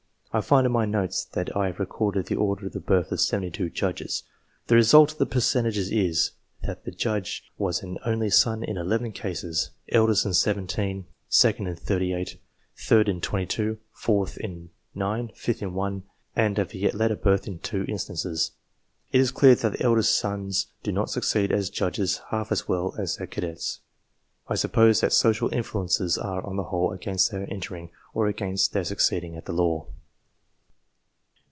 I find in my notes that I have recorded the order of the birth of 72 judges. The result of the percentages is, that the judge was an only son in 11 cases ; eldest in 17 ; second in 38 ; third in 22 ; fourth in 9 ; fifth in 1 ; and of a yet later birth in 2 instances. It is clear that the eldest sons do not succeed as judges half as well as the cadets. I suppose that social influences are, on the whole, against their entering, or against their succeeding at the law.